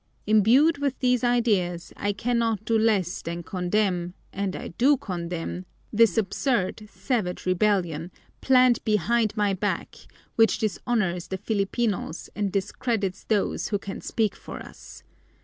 Imbued with these ideas, I cannot do less than condemn, and I do condemn, this absurd, savage rebellion, planned behind my back, which dishonors the Filipinos and discredits those who can speak for us.